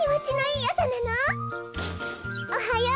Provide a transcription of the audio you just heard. おはよう！